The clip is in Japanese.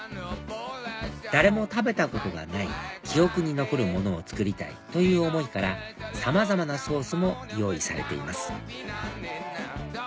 「誰も食べたことがない記憶に残るものを作りたい」という思いからさまざまなソースも用意されています